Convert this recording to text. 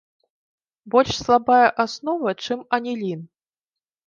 Больш слабая аснова, чым анілін.